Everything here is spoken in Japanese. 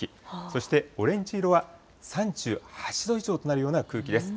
そしてオレンジ色は３８度以上となるような空気です。